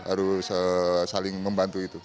harus saling membantu itu